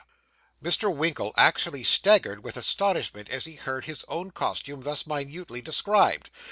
Mr. Winkle actually staggered with astonishment as he heard his own costume thus minutely described.